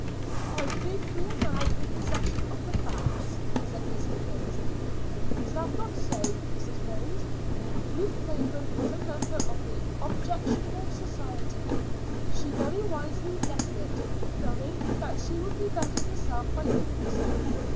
"I think we are now in possession of the facts," said Miss Mackenzie. "Is that not so, Mrs. Ross? Ruth Craven was a member of the objectionable society; she very wisely left it, knowing that she would better herself by doing so.